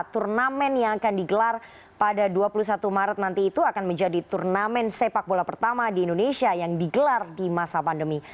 turnamen yang akan digelar pada dua puluh satu maret nanti itu akan menjadi turnamen sepak bola pertama di indonesia yang digelar di masa pandemi